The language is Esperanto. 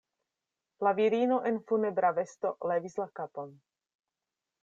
La virino en funebra vesto levis la kapon.